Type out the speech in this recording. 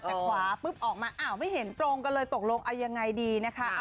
แต่ขวาปุ๊บออกมาอ้าวไม่เห็นตรงกันเลยตกลงเอายังไงดีนะคะ